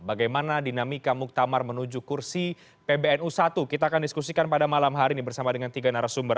bagaimana dinamika muktamar menuju kursi pbnu satu kita akan diskusikan pada malam hari ini bersama dengan tiga narasumber